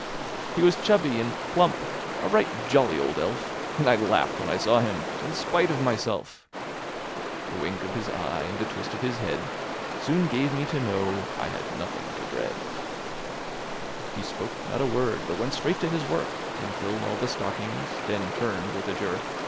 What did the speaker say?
He was chubby and plump, a right jolly old elf. And I laughed when I saw him, in spite of myself; A wink of his eye and a twist of his head. Soon gave me to know 1 had nothing to dread; He spoke not a word, but went straight to his work, And filled all the stockings; then turned with a jerk.